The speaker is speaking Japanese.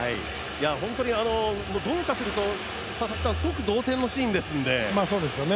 本当に、どうかすると即同点のシーンですので。